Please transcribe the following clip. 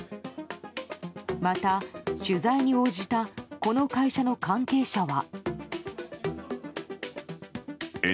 また、取材に応じたこの会社の関係者は。